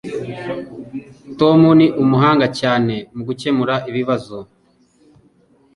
Tom ni umuhanga cyane mugukemura ibibazo.